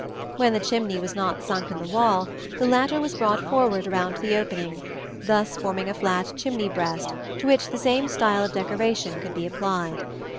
When the chimney was not sunk in the wall, the latter was brought forward around the opening, thus forming a flat chimney breast to which the same style of decoration could be applied.